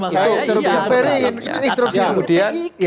terus ini terus ini